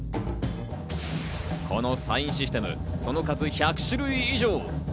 このサイン・システム、その数、１００種類以上。